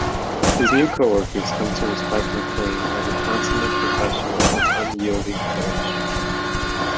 His new coworkers come to respect McClain as a consummate professional of unyielding courage.